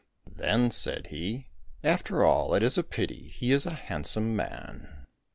Then said he, "After all it is a pity,—he is a handsome man."